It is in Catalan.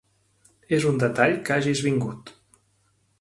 És un detall que hagis vingut.